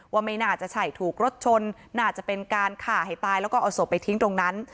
ว่าไม่น่าจะใช่ถูกรถชนน่าจะเป็นการฆ่าให้ตายแล้วก็เอาศพไปทิ้งตรงนั้น